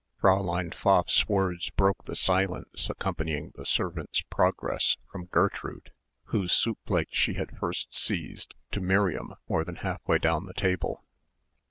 Fräulein Pfaff's words broke the silence accompanying the servant's progress from Gertrude whose soup plate she had first seized, to Miriam more than half way down the table.